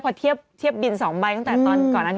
พอเทียบบิล๒ใบตั้งแต่ก่อนนั้น